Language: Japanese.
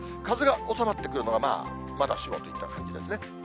風が収まってくるのが、まあ、まだしもといった感じですね。